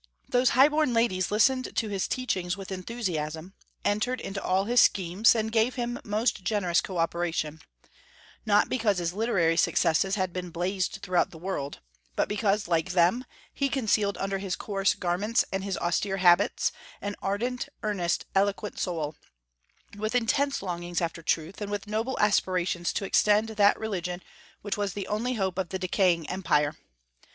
Those high born ladies listened to his teachings with enthusiasm, entered into all his schemes, and gave him most generous co operation; not because his literary successes had been blazed throughout the world, but because, like them, he concealed under his coarse garments and his austere habits an ardent, earnest, eloquent soul, with intense longings after truth, and with noble aspirations to extend that religion which was the only hope of the decaying empire.